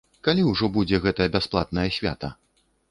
Калі ўжо будзе гэта бясплатнае свята?